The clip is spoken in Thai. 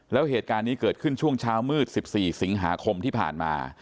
แล้วเหตุการณ์นี้เกิดขึ้นช่วงเช้ามืด๑๔สิงหาคมที่ผ่านมา